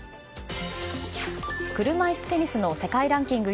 車いすテニスの世界ランキング